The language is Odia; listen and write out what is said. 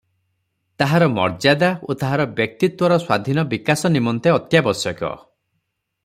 ତାହାର ମର୍ଯ୍ୟାଦା ଓ ତାହାର ବ୍ୟକ୍ତିତ୍ୱର ସ୍ୱାଧୀନ ବିକାଶ ନିମନ୍ତେ ଅତ୍ୟାବଶ୍ୟକ ।